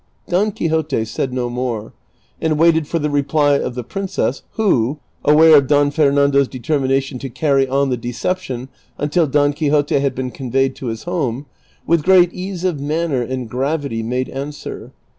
Don Quixote said no more, and waited for the reply of the princess, who, aware of Don Fernando's determination to carry on the deception until Don Quixote had been conveyed to his home, with great ease of manner and gravity made answer.